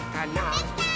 できたー！